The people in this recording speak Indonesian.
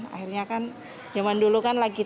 akhirnya kan zaman dulu kan lagi